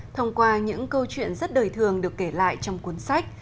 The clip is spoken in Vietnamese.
thông qua những câu chuyện rất đời thường được kể lại trong cuốn sách